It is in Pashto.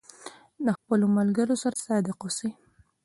د خپلو ملګرو سره صادق اوسئ.